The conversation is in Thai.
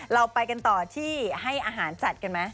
เราไปกันต่อที่ให้อาหารจัดกันไหม